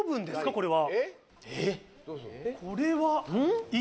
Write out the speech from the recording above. これは。